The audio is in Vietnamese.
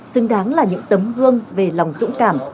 xứng đáng là những tấm gương về lòng dũng cảm